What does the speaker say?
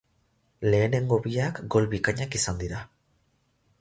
Lehenengo biak gol bikainak izan dira.